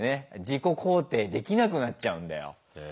自己肯定できなくなっちゃうんだよ。